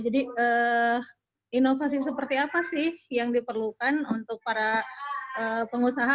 jadi inovasi seperti apa sih yang diperlukan untuk para pengusaha